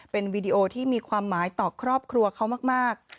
เป็นวีดีโอที่มีความหมายต่อครอบครัวเขามาก